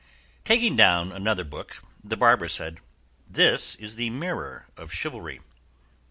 Taking down another book, the barber said, "This is 'The Mirror of Chivalry.